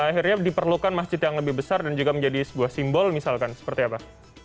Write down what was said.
akhirnya diperlukan masjid yang lebih besar dan juga menjadi sebuah simbol misalkan seperti apa